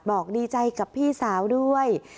บอกดีใจกับพี่สาวด้วย